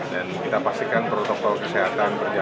dan kita pastikan protokol kesehatan berjalan